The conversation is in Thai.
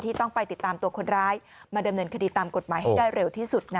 ต้องไปติดตามตัวคนร้ายมาดำเนินคดีตามกฎหมายให้ได้เร็วที่สุดนะ